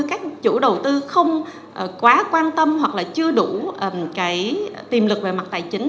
các chủ đầu tư không quá quan tâm hoặc là chưa đủ cái tiềm lực về mặt tài chính